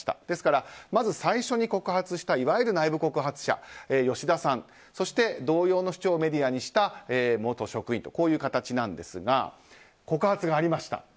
ですからまず最初に告発したいわゆる内部告発者吉田さん、そして同様の主張をメディアにした元職員という形ですが告発がありました。